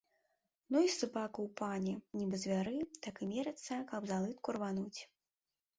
Ну і сабакі ў пані, нібы звяры, так і мерацца, каб за лытку рвануць.